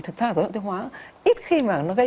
thực ra dối loạn tiêu hóa ít khi mà nó gây